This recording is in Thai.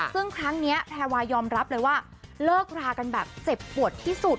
ซึ่งครั้งนี้แพรวายอมรับเลยว่าเลิกรากันแบบเจ็บปวดที่สุด